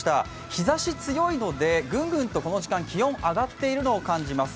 日ざし、強いのでこの時間、ぐんぐんと気温が上がっているのを感じています。